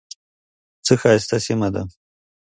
څه ښایسته سیمه ده .